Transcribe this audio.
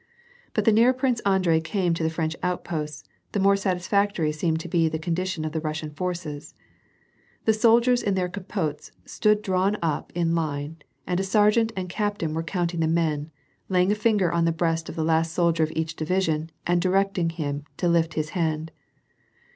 But the nearer Prince Andrei came to the French outposts, the more satisfactory seemed to be the condition of the Russian forces. The soldiers in their capotes stood drawn up in line and a sergeant and a captain were counting the men, laying a linger on the breast of the last soldier of each division and directing him to lift his hand.